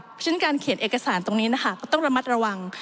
เพราะฉะนั้นการเขียนเอกสารตรงนี้นะคะก็ต้องระมัดระวัง